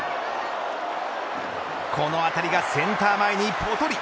この当たりがセンター前にぽとり。